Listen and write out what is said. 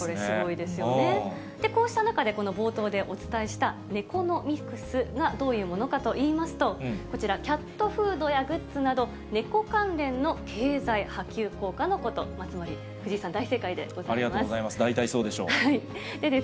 で、こうした中でこの冒頭でお伝えしたネコノミクスがどういうものかといいますと、こちら、キャットフードやグッズなど、猫関連の経済波及効果のこと、つまり、藤井さん、大正解でござありがとうございます。